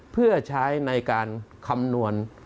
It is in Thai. เพื่อใช้ในการคำนวณ